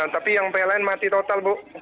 tapi yang pln mati total bu